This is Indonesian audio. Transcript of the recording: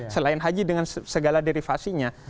selain haji dengan segala derivasinya